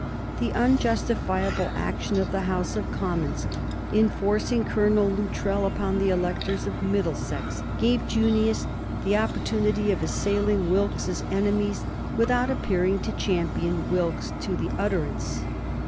The unjustifiable action of the House of Commons in forcing Colonel Luttrell upon the electors of Middlesex gave Junius the opportunity of assailing Wilkes's enemies without appearing to champion Wilkes to the utterance.